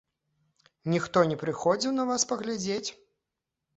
Ніхто не прыходзіў на вас паглядзець?